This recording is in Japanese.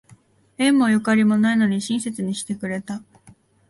縁もゆかりもないのに親切にしてくれた